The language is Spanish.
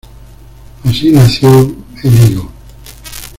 Así nació El Higo.